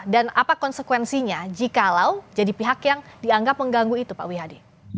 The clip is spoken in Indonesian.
dan apa konsekuensinya jikalau jadi pihak yang dianggap mengganggu itu pak wiha di